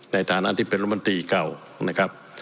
ในฐานะที่เป็นรัฐมนตรีเก่านะครับ